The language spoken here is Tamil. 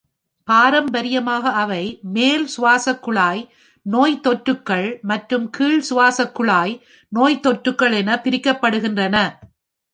பாரம்பரியமாக அவை மேல் சுவாசக்குழாய் நோய்த்தொற்றுகள் மற்றும் கீழ் சுவாசக்குழாய் நோய்த்தொற்றுகள் என பிரிக்கப்படுகின்றன.